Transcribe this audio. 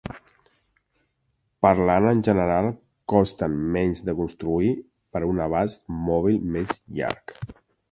Parlant en general costen menys de construir per un abast mòbil més llarg.